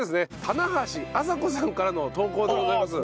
棚橋麻子さんからの投稿でございます。